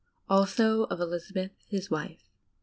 Also of Elizabeth, his wife.